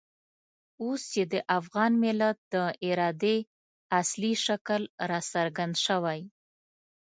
اوس چې د افغان ملت د ارادې اصلي شکل را څرګند شوی.